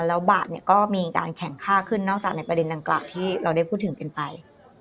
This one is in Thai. แล้วบาทเนี่ยก็มีการแข่งค่าขึ้นนอกจากในประเด็นดังกล่าวที่เราได้พูดถึงกันไป